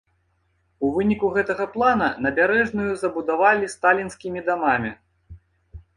У выніку гэтага плана набярэжную забудавалі сталінскімі дамамі.